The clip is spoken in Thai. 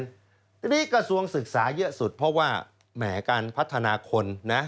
ทีนี้กระทรวงศึกษาเยอะสุดเพราะว่าแหมการพัฒนาคนนะ